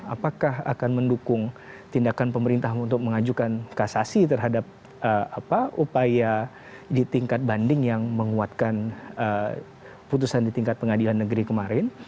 apakah akan mendukung tindakan pemerintah untuk mengajukan kasasi terhadap upaya di tingkat banding yang menguatkan putusan di tingkat pengadilan negeri kemarin